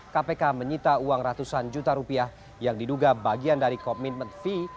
kpk menyita uang ratusan juta rupiah yang diduga bagian dari komitmen fee